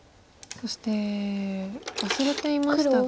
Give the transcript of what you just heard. そして忘れていましたが。